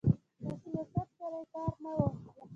له سیاست سره یې کار نه و.